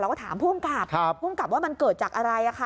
เราก็ถามผู้กับผู้กับว่ามันเกิดจากอะไร